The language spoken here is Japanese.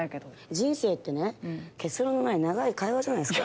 人生ってね結論のない長い会話じゃないですか。